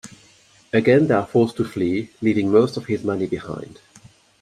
Again they are forced to flee, leaving most of his money behind.